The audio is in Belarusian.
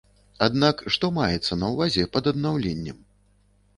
Аднак што маецца на ўвазе пад аднаўленнем?